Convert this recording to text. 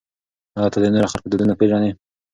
آیا ته د نورو خلکو دودونه پېژنې؟